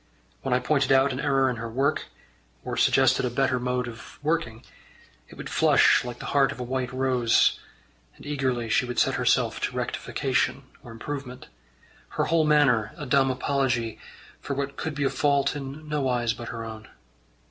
When I pointed out an error in her work, or suggested a better mode of working, it would flush like the heart of a white rose, and eagerly she would set herself to rectification or improvement, her whole manner a dumb apology for what could be a fault in no eyes but her own.